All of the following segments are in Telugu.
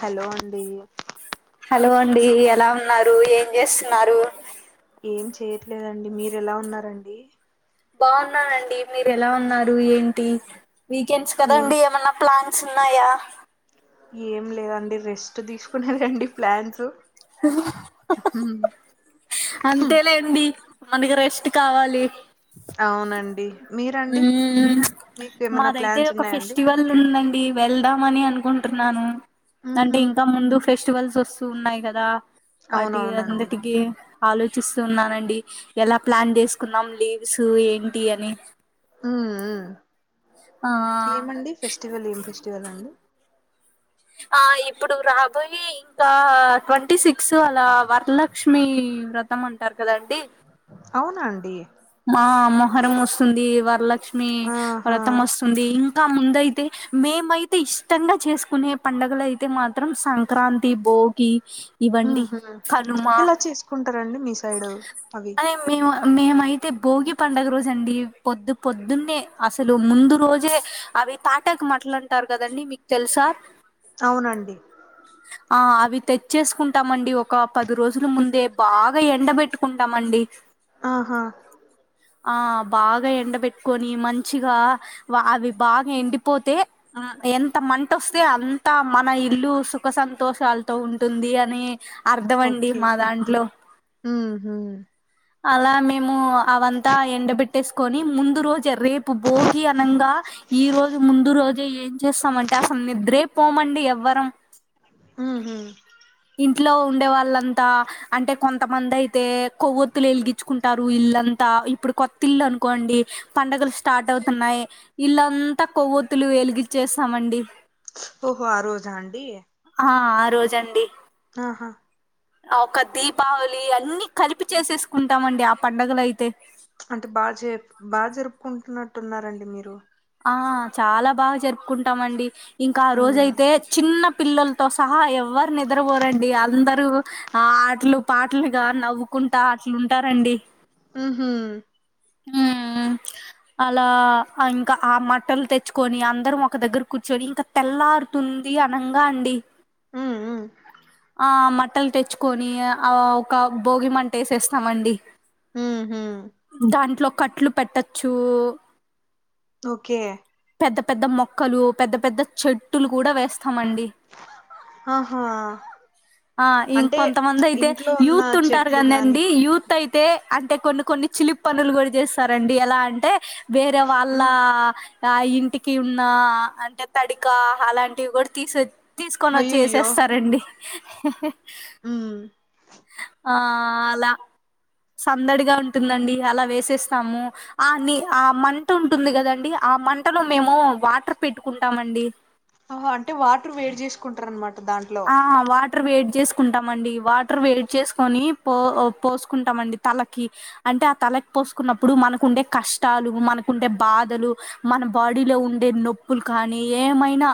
హలో అండి హలో అండి ఎలా ఉన్నారు ఏం చేస్తున్నారు ఏం చేయ్యట్లేదండి మీరు ఎలా ఉన్నారండి బాగున్నానండి మీరు ఎలా ఉన్నారు ఏంటి వీకెండ్స్ కదా ఏం అండి ఏమన్నా ప్లాన్స్ ఉన్నాయ ఏం లేదండి రెస్ట్ తీసుకునేదె అండి ప్లాన్స్ హ హ అంతేలే అండి మనకి రెస్ట్ కావాలి అవునండి మీరండి మ్ మీకు మా ఏమైనా దగ్గర ప్లాన్స్ ఒక ఉన్నాయండి ఫెస్టివల్ ఉందండి వెళ్దాం అని అనుకుంటున్నాను. అంటే ఉహు ఇంకా ముందు ఫెస్టివల్స్ వస్తూ ఉన్నాయి కదా? వాటి అవునవునండి అన్నిటికీ ఆలోచిస్తూ ఉన్నానండి. ఎలా ప్లాన్ చేసుకున్నాం లీవ్స్ ఏంటి అని మ్ మ్ ఆ ఉ ఏమండి ఫెస్టివల్, ఏం ఫెస్టివల్ అండి? ఆ ఇప్పుడు రాబోయి ఇంకా ట్వంటీ సిక్స్ అలా వరలక్ష్మి వ్రతం అంటారు కదండి. అవునా అండి? ఆ మొహరం వస్తుంది, వరలక్ష్మి ఆహా వ్రతం వస్తుంది ఇంకా ముందయి మేమైతే ఇష్టంగా చేసుకునే పండుగలు అయితే మాత్రం సంక్రాంతి, భోగి. ఇవన్నీ ఉహు కనుమ ఎలా చేసుకుంటారండి మీ సైడ్ అవి. అని మేము మేమైతే భోగి పండుగ రోజు అండి పొద్దు పొద్దున్నే అసలు ముందు రోజే. అవి తాటక్ మట్లు అంటారు కదండీ మీకు తెలుసా? అవునండి ఆ అవి తెచ్చేసుకుంటామండి ఒక పది రోజుల ముందే బాగా బాగా ఎండ పెట్టుకుంటామండి. ఆహా! ఆ బాగా ఎండ పెట్టుకొని మంచిగా అవి బాగా ఎండిపోతే ఆ ఎంత మంట వస్తే అంత మన ఇల్లు సుఖ సంతోషాలతో ఉంటుంది అని అర్థమండి మా దాంట్లో మ్ హు అలా మేము అవంతా ఎండబెట్టేసుకొని ముందు రోజు రేపు భోగి అనగా ఈ రోజు ముందు రోజే ఏం చేస్తామంటే అసలు నిద్రే పోమండి ఎవ్వరం. మ్ హు ఇంట్లో ఉండే వాళ్ళంతా అంటే కొంత కొంతమంది అయితే కొవ్వొత్తులు వెలిగించుకుంటారు ఇల్లంతా. ఇప్పుడు కొత్త ఇల్లు అనుకోండి పండగలు స్టార్ట్ అవుతున్నాయి. ఇల్లంతా కొవ్వొతులు వెలిగిచ్చేస్తామండి. ఓహో ఆ రోజా అండి ఆ ఆరోజండి. ఆహా! ఆ ఒక దీపావళి అన్నీ కలిపి చేసేసుకుంటామండి ఆ పండుగలో అయితే అంటే బాగా జరుపుకుంటున్నట్టున్నారండి మీరు. ఆ చాలా బాగా జరుపుకుంటామండి. ఇంకా ఆ ఉమ్ రోజయితే చిన్న పిల్లలు తో సహా ఎవరు నిద్రపోరండి అందరూ ఆ ఆటలు, పాటలు గా నవ్వుకుంటా ఉంటారండి మ్ హు మ్ మ్ హూ అలా ఇంకా ఆ మట్టలు తెచ్చుకొని అందరం ఒక దగ్గర కూర్చొని ఇంకా తెల్లారుతుంది ఆనంగా అండి ఉమ్ ఉమ్ ఆ మట్టలు తెచ్చుకొని ఆ ఒక భోగి మంట వేసేస్తామండి. మ్ హు దాంట్లో కట్లు పెట్టచ్చు. ఓకే పెద్ద పెద్ద మొక్కలు పెద్ద పెద్ద చెట్టులు కూడా వేస్తామండి. ఆహా ఆ ఇంక అంటే కొంతమంది అయితే ఇంట్లో ఉన్న యూత్ ఉంటారు. చెట్లు గాని కదండి. యూత్ అయితే అంటే కొన్ని కొన్ని చిలిపీ పనులు కూడా చేస్తారండి ఎలా అంటే వేరే వాళ్ళ ఉమ్ ఆ ఇంటికి ఉన్న అంటే తడికా అలాంటివి కూడా తీసి తీసుకొని వచ్చి అయ్యయ్యో ఎసేస్తారండి. హ్ ఆ ఆలా సందడిగా ఉంటుందండి. అలా వేసేస్తాము ఆ నీ ఆ మంట ఉంటుంది కదండి ఆ మంటలో మేము వాటర్ పెట్టుకుంటామండి ఆహా అంటే వాటర్ వేడి చేసుకుంటారనమాట ఆహా వాట్ వేడి చేసుకుంటామండి. వాటర్ వేడి చేసుకొని పో పోసుకుంటామండి. తలకి అంటే ఆ తలకి పోసుకున్నప్పుడు మనకుండే కష్టాలు మనకుండే బాధలు మన బాడీలో ఉండే నొప్పులు కానీ ఏమైనా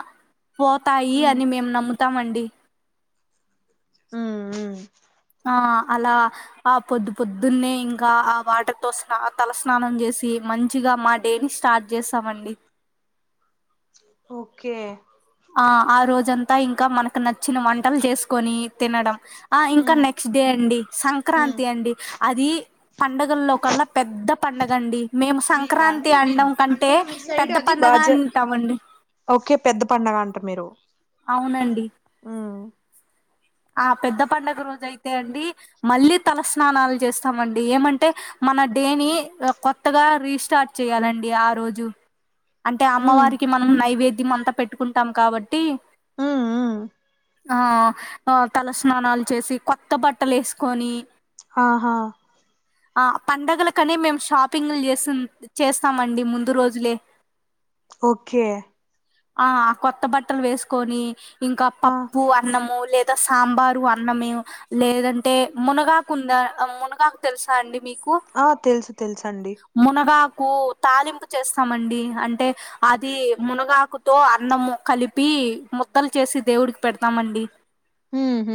పోతాయి. ఉమ్ అని మేము నమ్ముతామండి. ఉమ్ ఉమ్ ఆ అలా ఆ పొద్దు పొద్దున్నే ఇంకా ఆ వాటర్ తో స తలస్నానం చేసి మంచిగా మా డే ని స్టార్ట్ చేస్తామండి ఓకే ఆ ఆ రోజంతా ఇంకా మనకు నచ్చిన వంటలు చేసుకొని తినడం ఆ ఇంకా ఉమ్ నెక్స్ట్ డే అండి ఉమ్ సంక్రాంతి అండి అది పండుగల్లో కల్లా పెద్ద పండగ అండి మేము మీకా సంక్రాంతి అండి మీరు అండం కంటే అంటే మీ సైడ్ పెద్ద అది పండగ బాజ అంటాం. అండీ ఓకే పెద్ద పండగ అంటరు. మీరు అవును అండీ ఉ ఆ పెద్ద పండగ రోజు అయితే అండి. మళ్ళీ తలస్నానాలు చేస్తాము. అండీ ఏమంటే మన డే ని కొత్తగా రీస్టార్ట్ చేయాలండి ఆ రోజు అంటే ఉమ్ అమ్మవారికి మనం నైవేద్యం అంత పెట్టుకుంటాం కాబట్టి ఉమ్ ఉమ్ ఆ తలస్నానాలు చేసి కొత్త బట్టలు ఎసుకొని ఆహా ఆ పండగలకనే మేము షాపింగ్లు చేసి చేస్తామండి. ముందు రోజులే ఓకే ఆ అ కొత్త బట్టలు వేసుకొని ఇంకా ఆ పప్పు అన్నము. లేద్ సాంబారు అన్నమే లేదంటే మునగాకు ఉందా మునగాకు తెలుసా అండి మీకు ఆ తెలుసు తెలుసు అండి మునగాకు తాలింపు చేస్తాము. అండీ అంటే అది మునగాకుతో అన్నము కలిపి ముద్దలు చేసి దేవుడికి పెడతాము అండీ. ఉహ్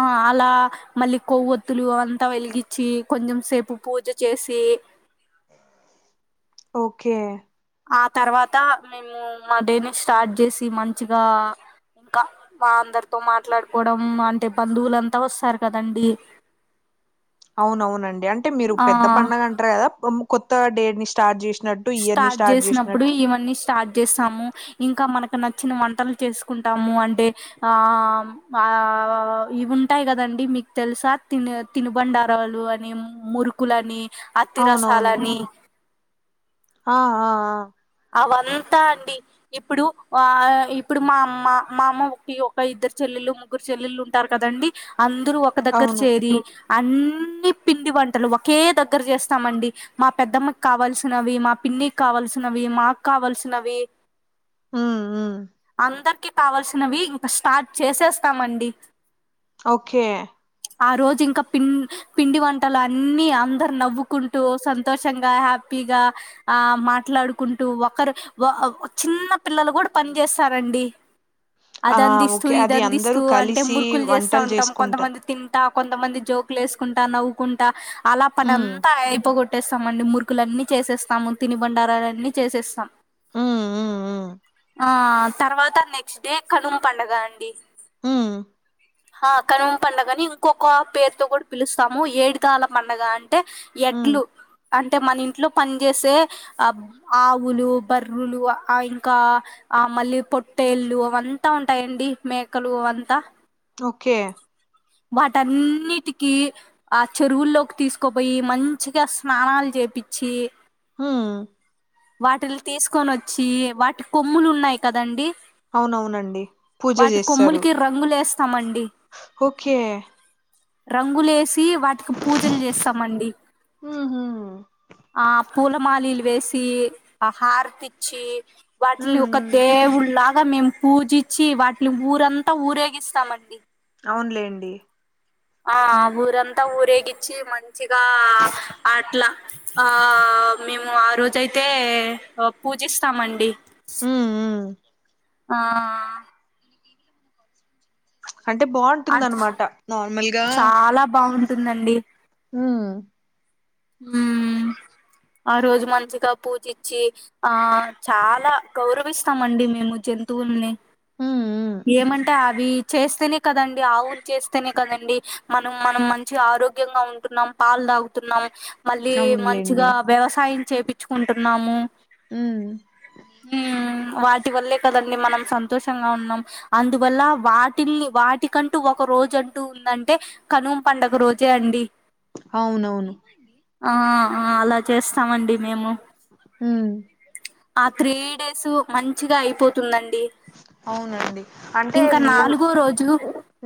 ఆ అలా మళ్ళీ కొవ్వొత్తులు వెలిగించి అంతా వెలిగిచ్చి కొంచెం సేపు పూజ చేసి ఓకే ఆ తర్వాత మేము మా డేని స్టార్ట్ చేసి మంచిగా ఇంకా మా అందరితో మాట్లాడుకోవడం అంటే బంధువులుంతా వస్తరు కదా అండీ అవునవును అండీ అంటే మీరు ఆ పెద్ద పడుగ అంటరు కదా ఉమ్ కొత్త డేట్ని స్టార్ట్ చేసినట్ స్టార్ట్ చేసినప్పుడు ఇవన్నీ స్టార్ట్ చేసాము ఇంకా మనకు నచ్చిన వంటలు చేసుకుంటాము అంటే ఆ వ ఇవి ఉంటయి కదా అండీ మీకు తెలుసా తినే తినుబండారాలు అని మ్ మురుకు కులని అవునవును అత్తిరసాలని ఆ ఆ ఆ అవంతా అండి ఇప్పుడు వ ఆ ఇప్పుడు మా అమ్మ మా అమ్మ ఒకె ఒక ఇద్దరు చెల్లెలు ముగ్గురు చెల్లెళ్ళు ఉంటరు కదండి అందరు ఒక దగ్గర అవును చేరి అన్నీ పిండి వంటలు ఒకే దగ్గర చేస్తాము అండీ మా పెద్దమ్మకి కావల్సినవి మా పిన్నికి కావల్సిన నవి మాకు కావాల్సినవి ఉమ్ ఉమ్ అందరికి కావల్సినవి ఇంకా స్టార్ట్ చేసేస్తమండి ఓకే ఆ రోజు ఇంకా పిం పిండి వంటలు అన్ని అందరు నవ్వుకుంటూ సంతోషంగా హప్ పిగా ఆ మాట్లాడు కుంటూ ఒకరు వ చిన్న పిల్లలు గుడా పని చేస్తారు అండీ ఆ అది అందిస్తూ ఓకే ఇది అది అందిస్తూ అందరూ అంటే కలిసి మురుకులు చేస్తా వంటలు ఉంటాం చేసుకుంటారు కొంతమంది తిన్ ట కొంతమంది జోకులు వేసుకుంటా నవ్వుకుంటా అలా పని ఉమ్ అంతా అయిపోగొట్టేస్తామండి ముర్క్ కులన్నీ చేసేస్తాము తిని బండారాలన్నీ చేసేస్తాం ఉమ్ ఉమ్ ఆ తర్వాత నెక్స్ట్ డే కనుమ పండగ అండి ఉమ్ ఆ కనుమ పండగని ఇంకొక పేరుతో కూడా పిలుస్తాము ఏదికాలా పండగ అన్ టే ఉమ్ ఎడ్లు అంటే మన ఇంట్లో పనిచేసే ఆ ఆవులు బర్రులు ఆ ఇంకా ఆ మళ్ళీ పొట్టేళ్ళు అవంతా ఉంటాయండి మేకలు వంతా ఓకే వాటన్నిటికిీ ఆ చెరువుల్లోకి తీసుకోపోయి మంచిగా స్నానాలు చేపిచ్చి ఉమ్ వాటిల్ తీసుకొనోచ్చి వాటి కొమ్ములు ఉన్నాయి కదండి అవునవునండి పూజ వాటి చేస్తారు కొమ్ములకి రంగులేస్తామండి ఓకే రంగులేసి వాటికి పూజలు చేస్తామండి ఉహు ఆ పూలమాలిలు వేసి ఆ హార్తొచ్చి వాటిని ఉమ్ ఒక ఉమ్ దేవుళ్లాగా మేము పూజచ్చి వాటిని ఊరంతా ఊరేగిస్తామండి అవునులేండి ఆ ఊరంత ఊరేగిచ్చి మంచిగా అట్లా ఆ మేము ఆ రోజయితే పూజిస్తమండి ఉమ్ ఉమ్ ఆ అంటే అట్ బాగుంటుందనమట నార్మల్గా చాలా బాగుంటుందండి హ ఉమ్ ఆ రోజు మంచిగా పూజీచ్చి ఆ చాలా గౌరవిస్తమండి మేము జంతువుల్ని [inaudible] ఏమంటే అవి చేస్తేనే కదండి ఆవులు చేస్తేనే కదండి మనం మనం మంచి ఆరోగ్యంగా ఉంటున్నాం పాలు తాగ్ తున్నం మళ్ళీ అవునులేండి మంచిగా వ్యవసాయం చేపిచ్చుకుంటున్నాము ఉమ్ ఉమ్ వాటి వల్లే కదండి మనం సంతోషంగా ఉన్నాం అందువల్ల వాటిని వాటి కంటూ ఒక రోజు అంటూ ఉందంటే కనుమ పండుగ రోజే అండి అవునవును ఆ ఆ అలా చేస్తామండి మేము హ్మ్ ఆ త్రీ డేసు మంచిగా అయిపోతుందండి అవునండి అంటే ఇంకా మీరు నాలుగో రోజు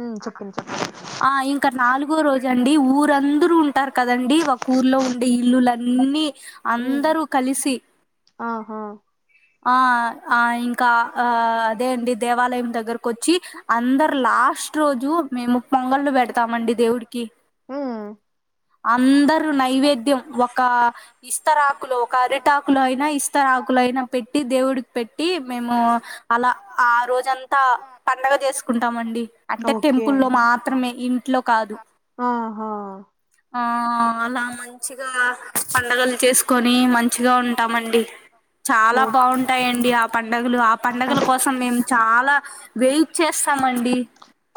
మ్ చెప్పండి చెప్పండి ఆ ఇంకా నాలుగో రోజు అండి ఊరందరూ ఉంటారు కదండి ఒక ఊర్లో ఉండే ఇల్లులన్నీ ఉమ్ అందరూ కలిసి ఆహా ఆ ఆ ఇంకా ఆ అదే అండి దేవాలయం దగ్గరకు వచ్చి అందరు లాస్ట్ రోజు మేము పొంగల్లు పెడతామండి దేవుడికి ఉమ్ అందరూ నైవేద్యం ఒక ఇస్తరాకులో ఒక అరిటాక్ కులో అయినా ఇస్తరాకులో అయినా పెట్టి దేవుడికి పెట్టి మేము అలా ఆ రోజంతా పండగ చేసుకుంటామండీ అంటే ఓకే టెంపుల్లో మాత్రమే ఇంట్లో కాదు ఆహా ఆ అలా మంచిగా పండగలు చేసుకొని మంచిగా ఉంటామండి చాలా బాగుంట ఓకే బాగుంటాయండి ఆ పండుగలు ఆ పండుగల అంటే కోసం మేము చాలా వెయిట్ చేస్తామండి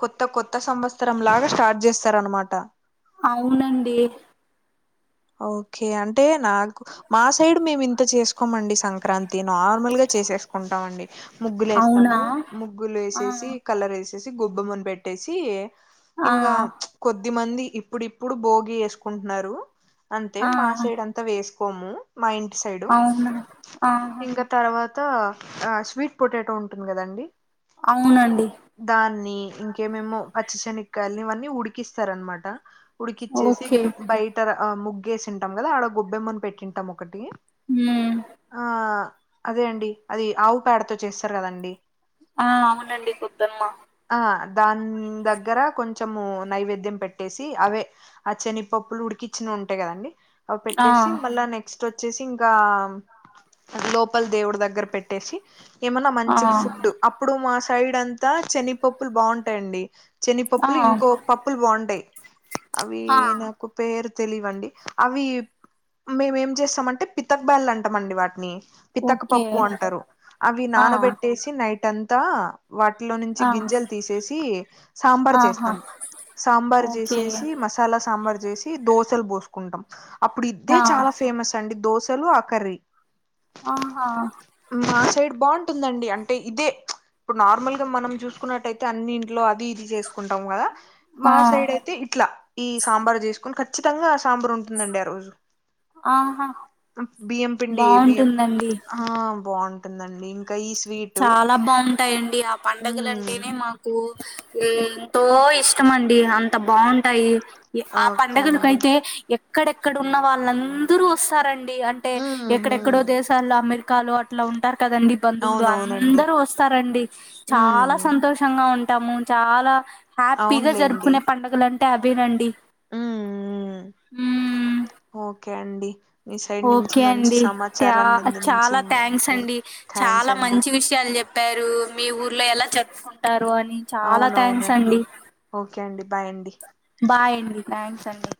కొత్త కొత్త సంవత్సరం లాగా స్టార్ట్ చేస్తారు అనమాట అవునండి ఓకే అంటే నాకు మా సైడ్ మేము ఇంత చేసుకోమండి సంక్రాంతి నార్మల్ గా చేసేసుకుంటాండి ముగ్గులు అవునా వేస్తాము ముగ్గులు ఆ ఏసేసి కలర్ ఏసేసి గొబ్బేమ్మని పెట్టేసి ఆ ఇంగా ప్చ్ కొద్ది మంది ఇప్పుడిప్పుడు బోగి చేసుకుంటున్నారు అంతే ఆ మా సైడ్ అంతా వేసుకోము మా ఇంటి సైడు అవును ఆహా ఇంగా తర్వాత ఆ స్వీట్ పొటాటో ఉంటుంది కదండి అవునండి దాన్ని ఇంకే ఏమేమో పచ్చి చేనిక్కాయాలని ఇవన్నీ ఉడికిస్తారనమాట ఉడికిచ్చేసి ఓకే బయట ఆ ముగ్గేసింటాం కదా ఆడ గొబ్బెమ్మని పెట్టింటాం ఒకటి మ్మ్ ఆ అదే అండి అది ఆవు పేడతో చేస్తారు కదండి ఆ అవునండి గొబ్బేమ్మ ఆ దాని దగ్గర కొంచెము నైవేద్యం పెట్టేసి అవే ఆ చెనిగపప్పులు ఉడికిచ్చినవి ఉంటాయి కదండి అవి ఆ పెట్టేసి మళ్ళా నె నెక్స్ట్ వచ్చేసి ఇంకా లోపల దేవుడి దగ్గర పెట్టేసి ఏమన్నా ఆ మంచి ఫుడ్ అప్పుడు మా సైడ్ అంతా చెనిగపప్పులు బాగుంటాయండి ఆ చెనిగపప్పులు ఇంకో పప్పులు బాగుంటాయ్ అవి ఆ నాకు పేరు తెలిదు దండి అవి మేమ ఏం చేస్తామంటే పితప్ బ్యాల్లు అంటామండి వాటిని పితక్ ఓకే పప్పు అంటారు అవి ఆ నానబెట్టేసి నైట్ అంతా వాటిలో నుంచి ఆ గింజలు తీసేసి సాంబార్ ఆహా చేస్తాం సాంబార్ ఓకే చేసేసి మ సాలా సాంబార్ చేసి దోసలు బోసుకుంటాం అప్పుడు ఆ ఇద్దే చాలా ఫేమస్ అండి దోశలు కర్రి ఆహా మా సైడ్ బాగుంటుందండి అంటే ఇదే ఇప్పుడు నార్మల్‌గా మనం చూసుకున్నట్టయితే అన్ని ఇంట్లో అది ఇది చేసుకుంటం కదా ఆ మా సైడ్ అయితే ఇట్లా ఈ సాంబార్ చేసుకొని ఖచ్చితంగా ఆ సాంబార్ ఉం టుందండి ఆరోజు ఆహా బియ్యం పిండి బియ్యం బావుంటుందండి హా బాగుంటుందండి ఇంకా ఈ స్వీట్ చాలా బాగుంటయండి ఆ ఉమ్ పండగలంటేనే మాకు ఎంతో ఇష్టమండి అంతా బాగుంటయి ఆ ఓకే అండి పండగలకైతే ఎక్కడెక్కడ ఉన్న వాళ్ళందరూ వస్తారండి అం టే ఉమ్ ఎక్కడెక్కడో ఉమ్ దేశాల్లో అమెరికాలో అట్లా ఉంటారు కదండి బంధువులు అవునవునండి అందరూ వస్తారండి చాలా ఉమ్ సంతోషంగా ఉంటాము చాలా హ్యాపీగా అవునులేండి జరుపుకునే పండగలంటే అదేనండి ఉమ్ ఉమ్ ఉమ్మ్ ఓకే అండి మీ సైడ్ నుంచి ఓకే మంచి అండి థ్యా సమాచారాన్ని చాలా థ్యాంక్స్ అందించిందికు అండి థ్యాంక్స్ చాలా అండి మంచి వి షయాలు చెప్పారు మీ ఊర్లో ఎలా జరుపుకుంటారో అని చాలా థ్యాంక్స్ అవునవునండి ఓకే అండి బాయ్ అండి బాయండి థ్యాంక్స్ అండి